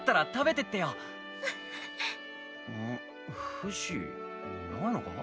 フシ？いないのか？